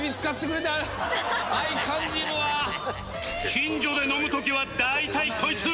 近所で飲む時は大体こいつ